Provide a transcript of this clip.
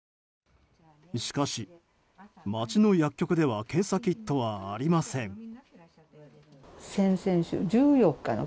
しかし、街の薬局では検査キットはありません。